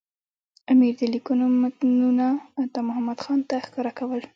امیر د لیکونو متنونه عطامحمد خان ته ښکاره کول.